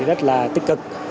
rất là tích cực